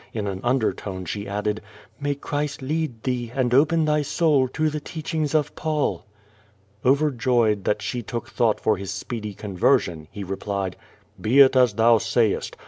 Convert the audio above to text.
In an undertone she added, "May Christ lead thee, and open thy soul to the teach ings of Paul." Overjoyed that she took thought for his speedy conver sion, he replied: "Be it as thou say est!